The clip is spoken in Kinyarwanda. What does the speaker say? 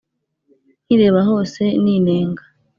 nkireba hose ninenga